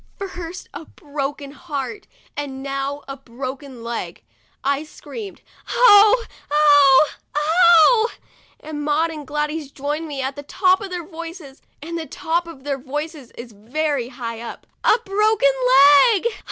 First a broken heart, and now a broken leg. I screamed, " Oh ! oh! oh!' and Maud and Gladys joined me at the top of their voices, and the top of their voices is very high up. "A broken leg